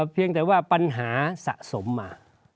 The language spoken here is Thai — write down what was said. เพียงแต่ว่าปัญหาสะสมมา